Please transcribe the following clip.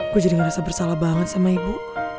gue jadi ngerasa bersalah banget sama ibu